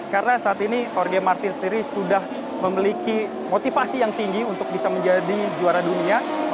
karena saat ini jorge martin sendiri sudah memiliki motivasi yang tinggi untuk bisa menjadi juara dunia